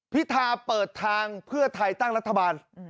พิธาเปิดทางเพื่อไทยตั้งรัฐบาล